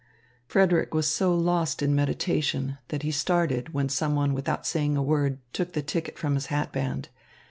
Frederick was so lost in meditation that he started when someone without saying a word took the ticket from his hatband.